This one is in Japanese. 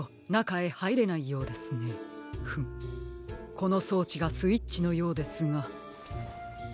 このそうちがスイッチのようですが。